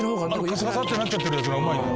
カサカサってなっちゃってるやつがうまいんだ。